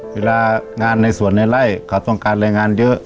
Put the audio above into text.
เวลางานในส่วนในไล่เขาต้องการแรงงานเยอะ